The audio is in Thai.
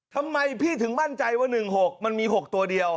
ทำไมพี่ถึงมั่นใจว่าหนึ่งหกมันมีหกตัวเดียว